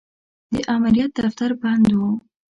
د امریت دفتر بند و.